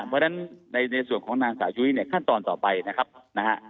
เพราะฉะนั้นในส่วนของนางสาวยุ้ยเนี่ยขั้นตอนต่อไปนะครับนะฮะ